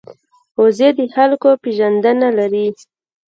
وزې د خلکو پېژندنه لري